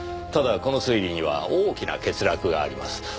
ただこの推理には大きな欠落があります。